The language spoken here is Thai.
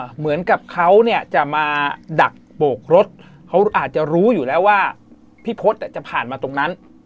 เหมือนกับเขาเนี่ยจะมาดักโบกรถเขาอาจจะรู้อยู่แล้วว่าพี่พศจะผ่านมาตรงนั้น